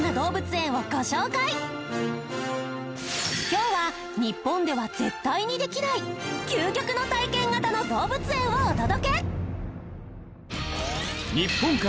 今日は日本では絶対にできない究極の体験型の動物園をお届け